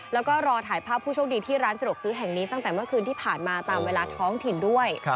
แล้วก็รอถ่ายภาพผู้โชคดีที่ร้านสะดวกซื้อแห่งนี้ตั้งแต่เมื่อคืนที่ผ่านมาตามเวลาท้องถิ่นด้วย